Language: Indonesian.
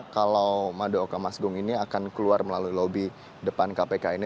kalau madaoka mas agung ini akan keluar melalui lobi depan kpk ini